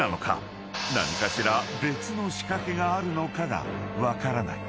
［何かしら別の仕掛けがあるのかが分からない］